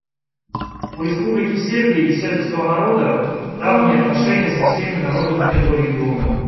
У Республики Сербии и сербского народа давние отношения со всеми народами этого региона.